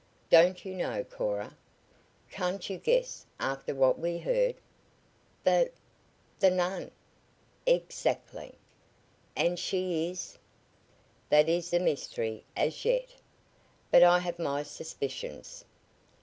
"Don't you know? Can't you guess after what we heard?" "The the nun?" "Exactly." "And she is " "That is a mystery as yet, but I have my suspicions.